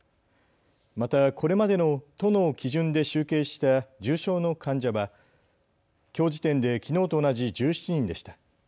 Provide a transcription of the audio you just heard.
また、これまでの都の基準で集計した重症の患者はきょう時点できのうと同じ１７人でした。